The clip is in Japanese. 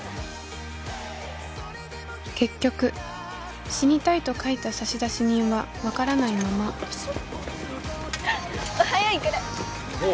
結局死にたいと書いた差出人は分からないままおはよう育おう